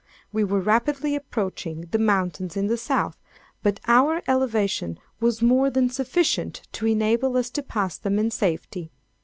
We were rapidly approaching the mountains in the South; but our elevation was more than sufficient to enable us to pass them in safety.